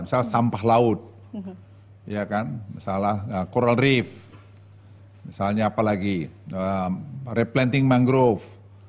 misalnya sampah laut coral reef misalnya apa lagi replanting mangrove